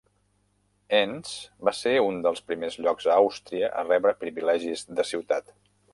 Enns va ser un dels primers llocs a Àustria a rebre privilegis de ciutat.